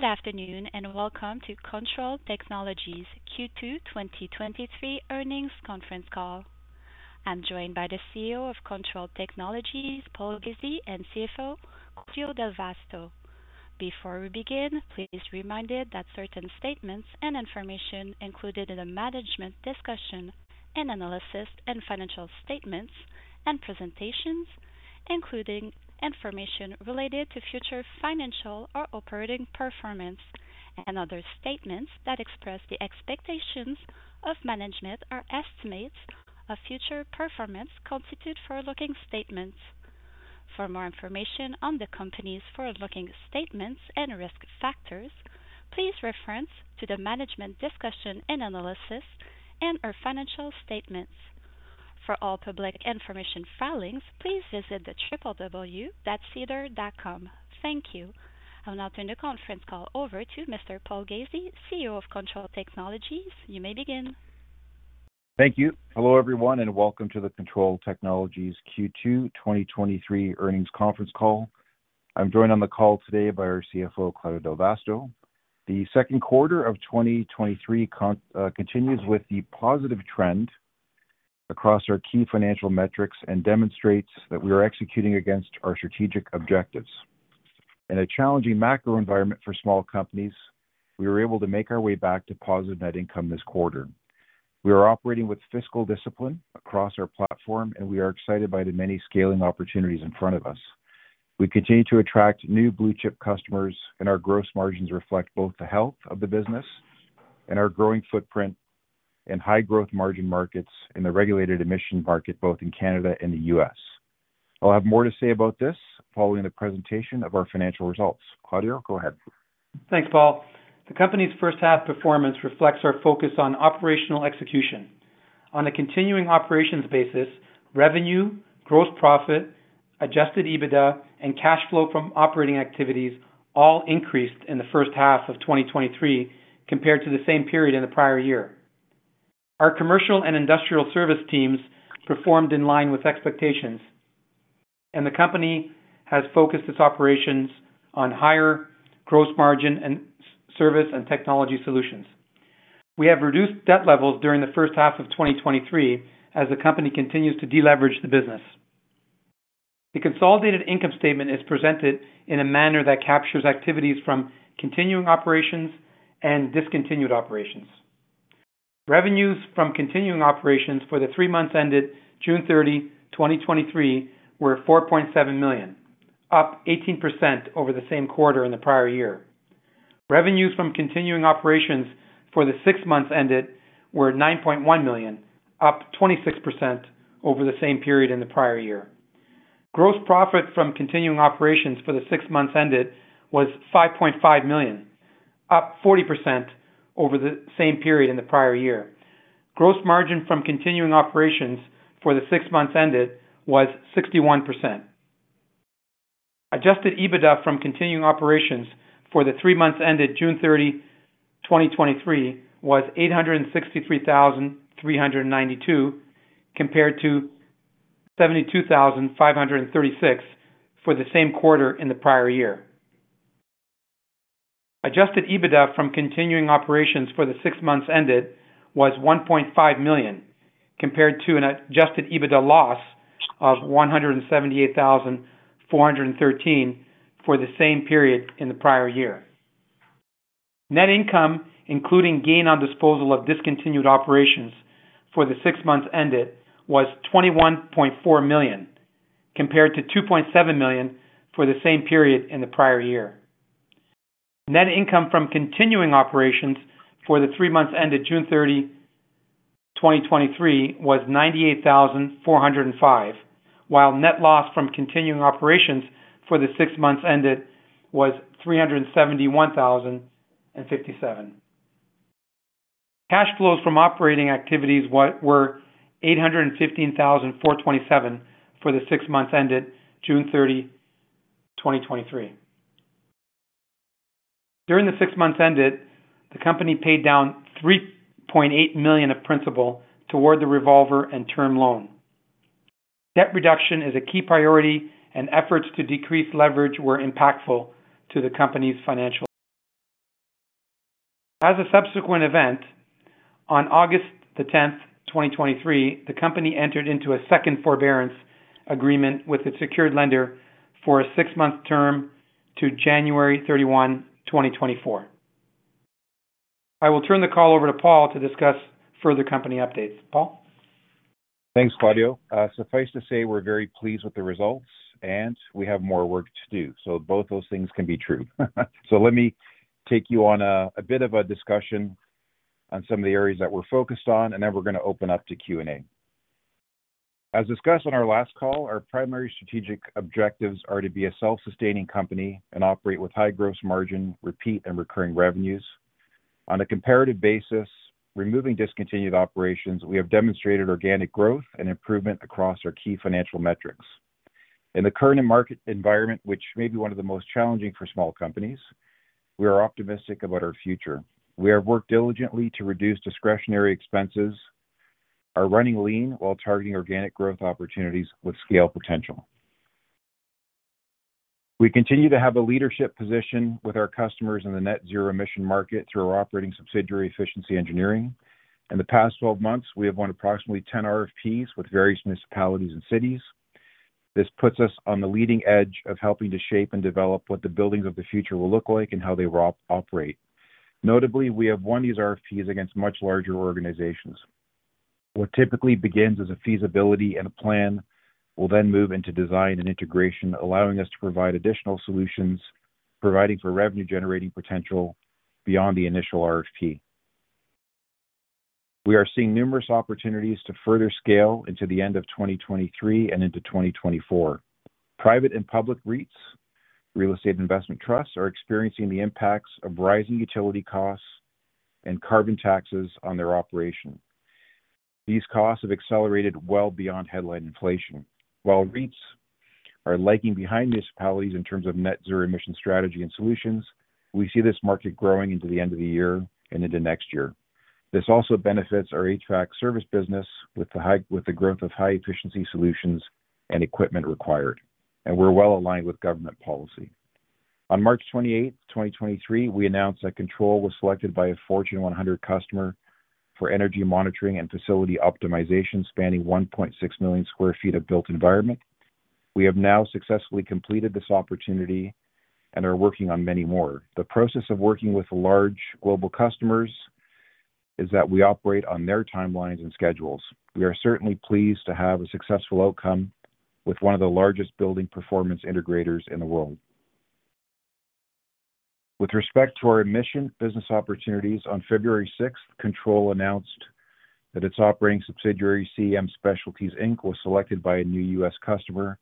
Good afternoon, welcome to Kontrol Technologies Q2 2023 Earnings Conference Call. I'm joined by the CEO of Kontrol Technologies, Paul Ghezzi, and CFO, Claudio Del Vasto. Before we begin, please be reminded that certain statements and information included in the Management's Discussion and Analysis, financial statements and presentations, including information related to future financial or operating performance, other statements that express the expectations of management or estimates of future performance, constitute forward-looking statements. For more information on the company's forward-looking statements and risk factors, please reference to the Management's Discussion and Analysis and/or financial statements. For all public information filings, please visit the www.SEDAR.com Thank you. I'll now turn the conference call over to Mr. Paul Ghezzi, CEO of Kontrol Technologies. You may begin. Thank you. Hello, everyone, welcome to the Kontrol Technologies Q2 2023 Earnings Conference Call. I'm joined on the call today by our CFO, Claudio Del Vasto. The second quarter of 2023 continues with the positive trend across our key financial metrics and demonstrates that we are executing against our strategic objectives. In a challenging macro environment for small companies, we were able to make our way back to positive net income this quarter. We are operating with fiscal discipline across our platform, we are excited by the many scaling opportunities in front of us. We continue to attract new blue-chip customers, our gross margins reflect both the health of the business and our growing footprint in high-growth margin markets and the regulated emission market, both in Canada and the U.S. I'll have more to say about this following the presentation of our financial results. Claudio, go ahead. Thanks, Paul. The company's first half performance reflects our focus on operational execution. On a continuing operations basis, revenue, gross profit, Adjusted EBITDA, and cash flow from operating activities all increased in the first half of 2023 compared to the same period in the prior year. Our commercial and industrial service teams performed in line with expectations. The company has focused its operations on higher gross margin and service and technology solutions. We have reduced debt levels during the first half of 2023 as the company continues to deleverage the business. The consolidated income statement is presented in a manner that captures activities from continuing operations and discontinued operations. Revenues from continuing operations for the three months ended June 30, 2023, were 4.7 million, up 18% over the same quarter in the prior year. Revenues from continuing operations for the six months ended were 9.1 million, up 26% over the same period in the prior year. Gross profit from continuing operations for the six months ended was 5.5 million, up 40% over the same period in the prior year. Gross margin from continuing operations for the six months ended was 61%. Adjusted EBITDA from continuing operations for the three months ended June 30, 2023, was 863,392, compared to 72,536 for the same quarter in the prior year. Adjusted EBITDA from continuing operations for the six months ended was 1.5 million, compared to an Adjusted EBITDA loss of 178,413 for the same period in the prior year. Net income, including gain on disposal of discontinued operations for the six months ended, was 21.4 million, compared to 2.7 million for the same period in the prior year. Net income from continuing operations for the three months ended June 30, 2023, was 98,405, while net loss from continuing operations for the six months ended was 371,057. Cash flows from operating activities were 815,427 for the six months ended June 30, 2023. During the six months ended, the company paid down 3.8 million of principal toward the revolver and term loan. Debt reduction is a key priority, and efforts to decrease leverage were impactful to the company's financial. As a subsequent event, on August the 10th, 2023, the company entered into a second forbearance agreement with its secured lender for a six-month term to January 31, 2024. I will turn the call over to Paul to discuss further company updates. Paul? Thanks, Claudio. Suffice to say, we're very pleased with the results, and we have more work to do, so both those things can be true. Let me take you on a, a bit of a discussion on some of the areas that we're focused on, and then we're going to open up to Q&A. As discussed on our last call, our primary strategic objectives are to be a self-sustaining company and operate with high gross margin, repeat, and recurring revenues. On a comparative basis, removing discontinued operations, we have demonstrated organic growth and improvement across our key financial metrics. In the current market environment, which may be one of the most challenging for small companies, we are optimistic about our future. We have worked diligently to reduce discretionary expenses are running lean while targeting organic growth opportunities with scale potential. We continue to have a leadership position with our customers in the net zero emission market through our operating subsidiary, Efficiency Engineering. In the past 12 months, we have won approximately 10 RFPs with various municipalities and cities. This puts us on the leading edge of helping to shape and develop what the buildings of the future will look like and how they will operate. Notably, we have won these RFPs against much larger organizations. What typically begins as a feasibility and a plan will then move into design and integration, allowing us to provide additional solutions, providing for revenue-generating potential beyond the initial RFP. We are seeing numerous opportunities to further scale into the end of 2023 and into 2024. Private and public REITs, real estate investment trusts, are experiencing the impacts of rising utility costs and carbon taxes on their operation. These costs have accelerated well beyond headline inflation. While REITs are lagging behind municipalities in terms of net-zero emission strategy and solutions, we see this market growing into the end of the year and into next year. This also benefits our HVAC service business with the growth of high-efficiency solutions and equipment required, and we're well aligned with government policy. On March 28, 2023, we announced that Kontrol was selected by a Fortune 100 customer for energy monitoring and facility optimization, spanning 1.6 million sq ft of built environment. We have now successfully completed this opportunity and are working on many more. The process of working with large global customers is that we operate on their timelines and schedules. We are certainly pleased to have a successful outcome with one of the largest building performance integrators in the world. With respect to our emission business opportunities, on February sixth, Kontrol announced that its operating subsidiary, CEM Specialties Inc, was selected by a new U.S. customer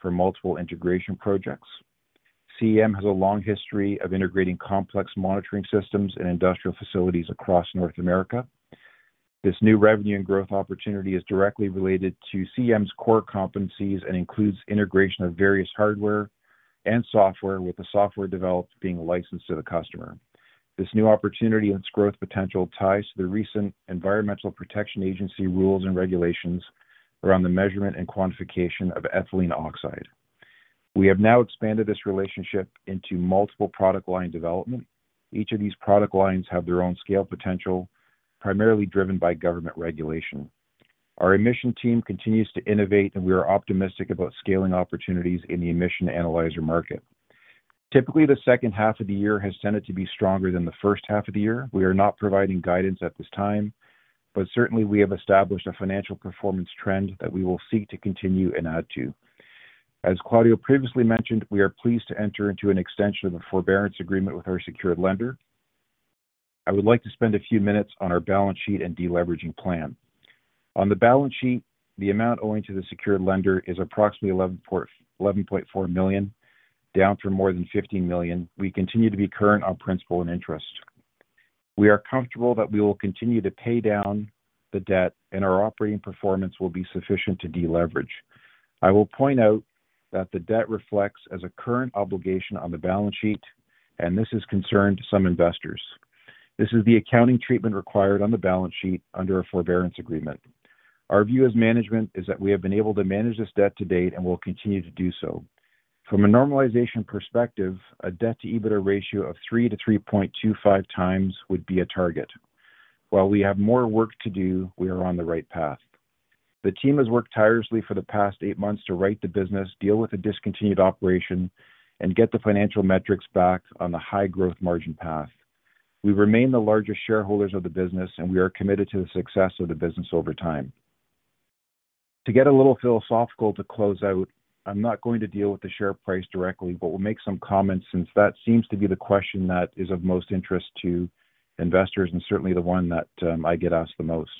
for multiple integration projects. CEM has a long history of integrating complex monitoring systems in industrial facilities across North America. This new revenue and growth opportunity is directly related to CEM's core competencies and includes integration of various hardware and software, with the software developed being licensed to the customer. This new opportunity and its growth potential ties to the recent Environmental Protection Agency rules and regulations around the measurement and quantification of ethylene oxide. We have now expanded this relationship into multiple product line development. Each of these product lines have their own scale potential, primarily driven by government regulation. Our emission team continues to innovate, and we are optimistic about scaling opportunities in the emission analyzer market. Typically, the second half of the year has tended to be stronger than the first half of the year. We are not providing guidance at this time, but certainly we have established a financial performance trend that we will seek to continue and add to. As Claudio previously mentioned, we are pleased to enter into an extension of a forbearance agreement with our secured lender. I would like to spend a few minutes on our balance sheet and deleveraging plan. On the balance sheet, the amount owing to the secured lender is approximately 11.4 million, down from more than 15 million. We continue to be current on principal and interest. We are comfortable that we will continue to pay down the debt and our operating performance will be sufficient to deleverage. I will point out that the debt reflects as a current obligation on the balance sheet, and this has concerned some investors. This is the accounting treatment required on the balance sheet under a forbearance agreement. Our view as management is that we have been able to manage this debt to date and will continue to do so. From a normalization perspective, a debt-to-EBITDA ratio of 3 to 3.25 times would be a target. While we have more work to do, we are on the right path. The team has worked tirelessly for the past 8 months to right the business, deal with the discontinued operation, and get the financial metrics back on the high-growth margin path. We remain the largest shareholders of the business, and we are committed to the success of the business over time. To get a little philosophical, to close out, I'm not going to deal with the share price directly, but we'll make some comments since that seems to be the question that is of most interest to investors and certainly the one that I get asked the most.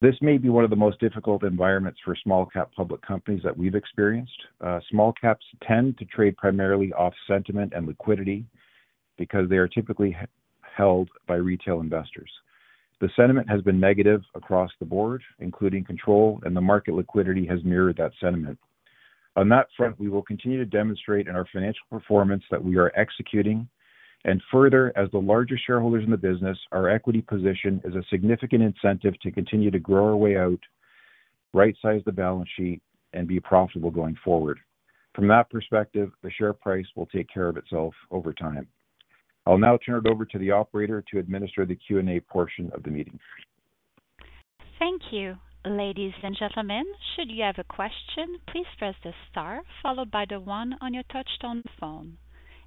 This may be one of the most difficult environments for small cap public companies that we've experienced. Small caps tend to trade primarily off sentiment and liquidity because they are typically held by retail investors. The sentiment has been negative across the board, including Kontrol, and the market liquidity has mirrored that sentiment. On that front, we will continue to demonstrate in our financial performance that we are executing. Further, as the largest shareholders in the business, our equity position is a significant incentive to continue to grow our way out, right-size the balance sheet, and be profitable going forward. From that perspective, the share price will take care of itself over time. I'll now turn it over to the operator to administer the Q&A portion of the meeting. Thank you. Ladies and gentlemen, should you have a question, please press the star followed by the one on your touchtone phone.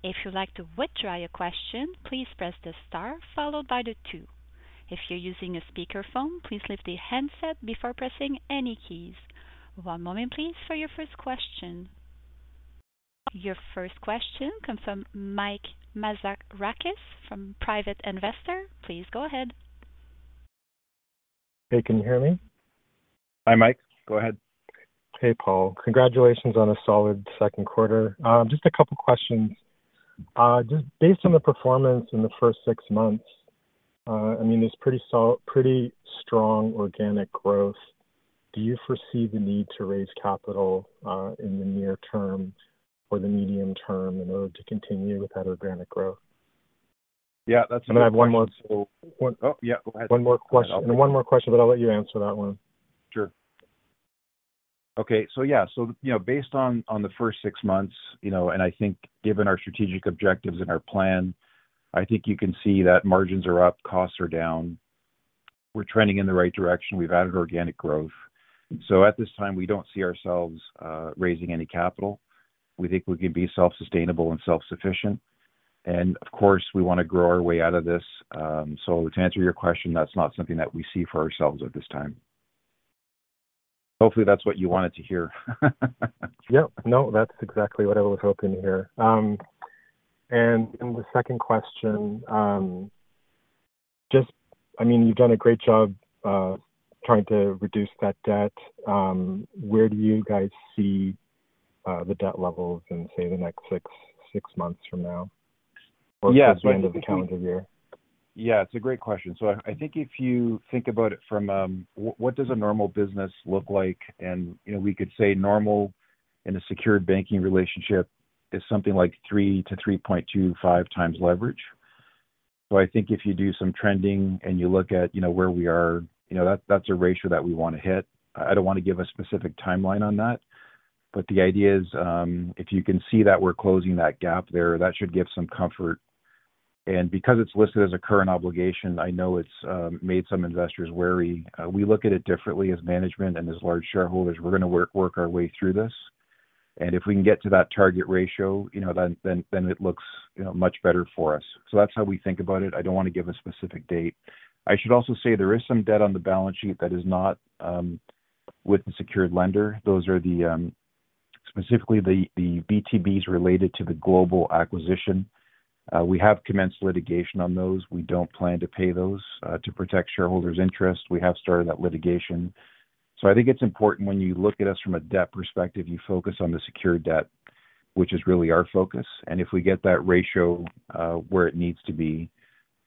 If you'd like to withdraw your question, please press the star followed by the two. If you're using a speakerphone, please lift the handset before pressing any keys. 1 moment, please, for your first question. Your first question comes from Mike Mazarakis, from Private Investor. Please go ahead. Hey, can you hear me? Hi, Mike. Go ahead. Hey, Paul. Congratulations on a solid second quarter. Just a couple of questions. Just based on the performance in the first six months, I mean, there's pretty pretty strong organic growth. Do you foresee the need to raise capital in the near term or the medium term in order to continue with that organic growth? Yeah. I have 1 more. Oh, yeah, go ahead. One more question, and one more question. I'll let you answer that one. Sure. Okay, so yeah, so, you know, based on, on the first six months, you know, and I think given our strategic objectives and our plan, I think you can see that margins are up, costs are down. We're trending in the right direction. We've added organic growth. At this time, we don't see ourselves raising any capital. We think we can be self-sustainable and self-sufficient, and of course, we want to grow our way out of this. To answer your question, that's not something that we see for ourselves at this time. Hopefully, that's what you wanted to hear. Yep. No, that's exactly what I was hoping to hear. The second question, just, I mean, you've done a great job, trying to reduce that debt. Where do you guys see the debt levels in, say, the next six, six months from now? Yeah. By the end of the calendar year? Yeah, it's a great question. I, I think if you think about it from what does a normal business look like? You know, we could say normal in a secured banking relationship is something like 3-3.25x leverage. I think if you do some trending and you look at, you know, where we are, you know, that's, that's a ratio that we want to hit. I don't want to give a specific timeline on that, but the idea is, if you can see that we're closing that gap there, that should give some comfort. Because it's listed as a current obligation, I know it's made some investors wary. We look at it differently as management and as large shareholders. We're gonna work, work our way through this, and if we can get to that target ratio, you know, then, then, then it looks, you know, much better for us. So that's how we think about it. I don't want to give a specific date. I should also say there is some debt on the balance sheet that is not with the secured lender. Those are the specifically the VTBs related to the Global acquisition. We have commenced litigation on those. We don't plan to pay those to protect shareholders' interest. We have started that litigation. So I think it's important when you look at us from a debt perspective, you focus on the secured debt, which is really our focus. If we get that ratio, where it needs to be,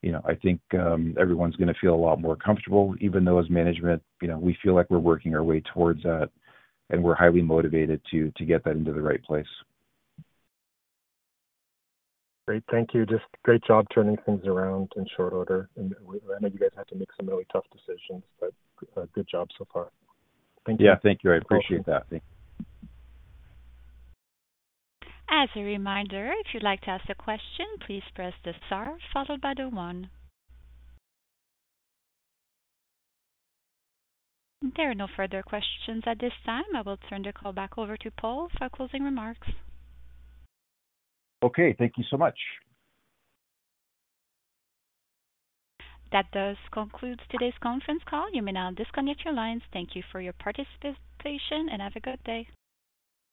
you know, I think everyone's gonna feel a lot more comfortable, even though as management, you know, we feel like we're working our way towards that, and we're highly motivated to, to get that into the right place. Great, thank you. Just great job turning things around in short order, and I know you guys had to make some really tough decisions, but, good job so far. Thank you. Yeah, thank you. I appreciate that. As a reminder, if you'd like to ask a question, please press the star followed by the one. There are no further questions at this time. I will turn the call back over to Paul for closing remarks. Okay, thank you so much. That does conclude today's conference call. You may now disconnect your lines. Thank you for your participation, and have a good day.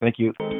Thank you.